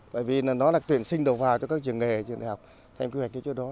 bởi vì nó là tuyển sinh đầu vào cho các trường nghề trường đại học thêm quy hoạch cái chỗ đó